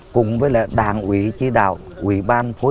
phối hợp với các ban ngành trong huyện hướng dẫn bà con sống tốt